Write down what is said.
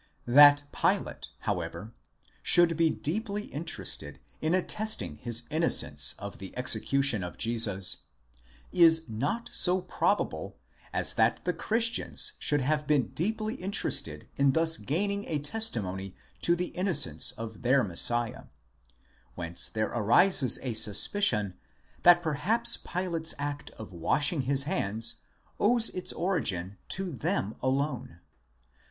That Pilate, however, should be deeply interested in attesting his innocence of the execution of Jesus, is not so probable as that the Christians should have been deeply interested in thus gaining a testimony to the innocence of their Messiah: whence there arises a suspicion that perhaps Pilate's act of washing his hands owes its origin to them alone.